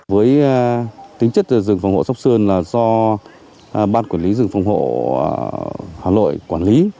với tính chất rừng phòng hộ sóc sơn là do ban quản lý rừng phòng hộ hà nội quản lý